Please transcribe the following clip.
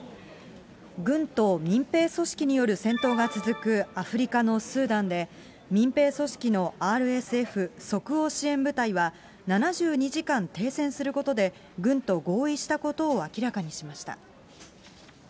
軍と民兵組織による戦闘が続くアフリカのスーダンで、民兵組織のＲＳＦ・即応支援部隊は７２時間停戦することで、軍と合意したことを明らかにしました。